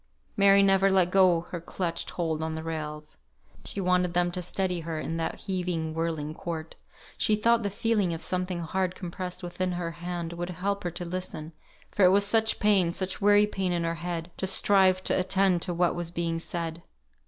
Mary never let go her clutched hold on the rails. She wanted them to steady her, in that heaving, whirling court. She thought the feeling of something hard compressed within her hand would help her to listen, for it was such pain, such weary pain in her head, to strive to attend to what was being said.